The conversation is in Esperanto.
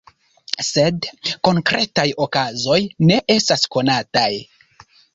Sed konkretaj okazoj ne estas konataj.